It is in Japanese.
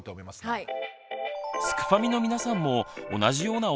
はい。